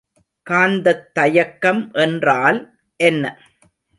காந்தத் தயக்கம் என்றால் என்ன?